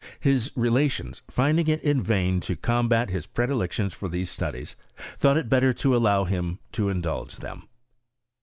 His relations, finding it in vain to combat his predilections for these studies, thought it better to allow him to indulge them.